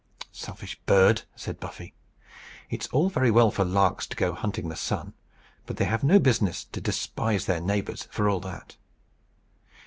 "Selfish bird!" said Buffy. "It's all very well for larks to go hunting the sun, but they have no business to despise their neighbours, for all that."